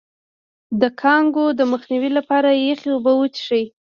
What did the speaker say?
د کانګو د مخنیوي لپاره یخې اوبه وڅښئ